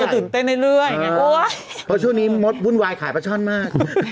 ตื่นเต้นเรื่อยไงเพราะช่วงนี้มดวุ่นวายขายปลาช่อนมาก